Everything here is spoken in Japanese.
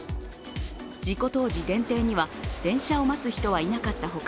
事故当時、電停には電車を待つ人はいなかったほか